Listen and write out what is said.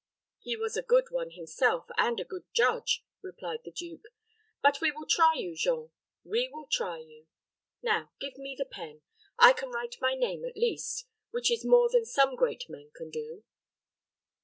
"He was a good one himself, and a good judge," replied the duke. "But we will try you, Jean we will try you. Now give me the pen. I can write my name, at least, which is more than some great men can do."